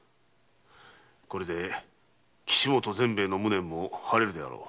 これで岸本善兵衛の無念も晴れるであろう。